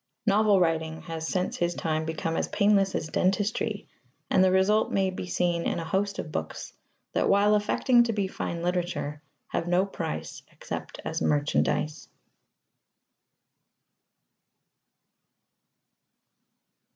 Novel writing has since his time become as painless as dentistry, and the result may be seen in a host of books that, while affecting to be fine literature, have no price except as merchandise.